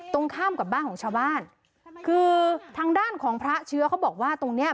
ตรงข้ามกับบ้านของชาวบ้านคือทางด้านของพระเชื้อเขาบอกว่าตรงเนี้ย